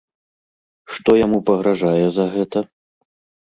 Што яму пагражае за гэта?